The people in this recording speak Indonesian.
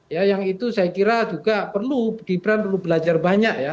ya yang itu saya kira juga perlu gibran perlu belajar banyak ya